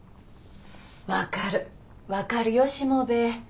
分かる分かるよしもべえ。